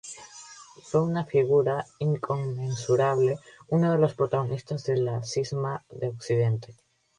Fue una figura inconmensurable, uno de los protagonistas del Cisma de Occidente.